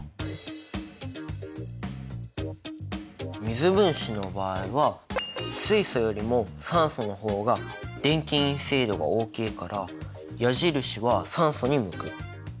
水分子の場合は水素よりも酸素の方が電気陰性度が大きいから矢印は酸素に向く。